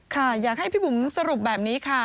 ค่ะอยากให้พี่บุ๋มสรุปแบบนี้ค่ะ